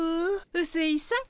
うすいさん。